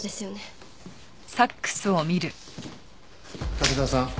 滝沢さん